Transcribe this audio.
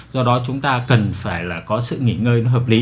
do đó chúng ta cần phải là có sự nghỉ ngơi nó hợp lý